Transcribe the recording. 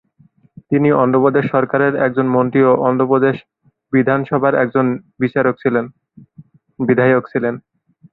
তিনি অন্ধ্র প্রদেশ সরকারের একজন মন্ত্রী ও অন্ধ্র প্রদেশ বিধানসভার একজন বিধায়ক ছিলেন।